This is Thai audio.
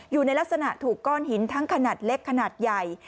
อยู่ในลักษณะถูกก้อนหินทั้งขนาดเล็กขนาดใหญ่